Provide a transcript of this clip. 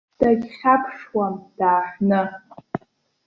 Дагьхьаԥшуам дааҳәны.